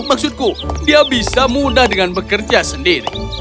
maksudku dia bisa mudah dengan bekerja sendiri